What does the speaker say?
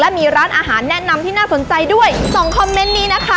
มีร้านอาหารแนะนำที่น่าสนใจด้วยสองคอมเมนต์นี้นะคะ